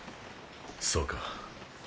そうか。